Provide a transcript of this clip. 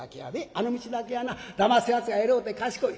あの道だけはなだますやつが偉うて賢い。